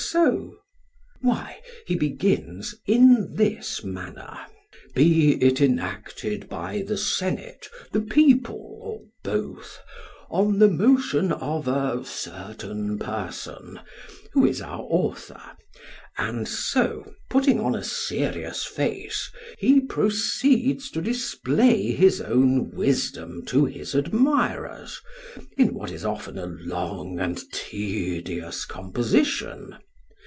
SOCRATES: Why, he begins in this manner: 'Be it enacted by the senate, the people, or both, on the motion of a certain person,' who is our author; and so putting on a serious face, he proceeds to display his own wisdom to his admirers in what is often a long and tedious composition.